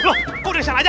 loh kok udah disana aja